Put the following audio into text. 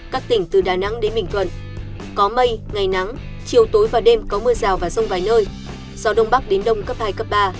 các tỉnh từ đà nẵng đến bình thuận có mây ngày nắng chiều tối và đêm có mưa rào và rông vài nơi gió đông bắc đến đông cấp hai cấp ba